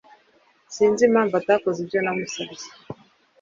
Sinzi impamvu atakoze ibyo namusabye.